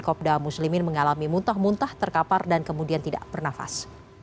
kopda muslimin mengalami muntah muntah terkapar dan kemudian tidak bernafas